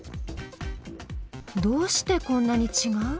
どうしてこんなにちがう？